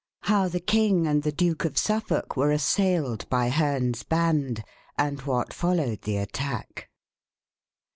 How the King and the Duke of Suffolk were assailed by Herne's Band And what followed the Attack.